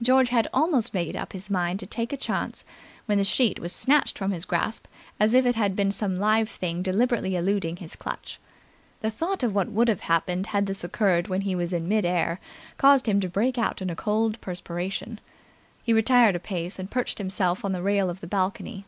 George had almost made up his mind to take a chance when the sheet was snatched from his grasp as if it had been some live thing deliberately eluding his clutch. The thought of what would have happened had this occurred when he was in mid air caused him to break out in a cold perspiration. He retired a pace and perched himself on the rail of the balcony.